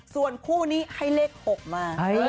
ส่วนคู่นี้ให้เลข๖มา